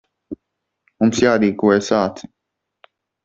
Mums jārīkojas ātri.